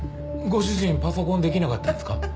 ご主人パソコンできなかったんですか？